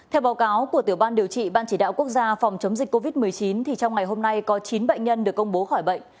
theo báo cáo của tiểu ban điều trị ban chỉ đạo quốc gia phòng chống dịch covid một mươi chín trong ngày hôm nay có chín bệnh nhân được công bố khỏi bệnh